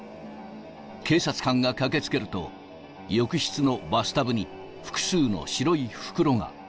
警察官が駆けつけると、浴室のバスタブに複数の白い袋が。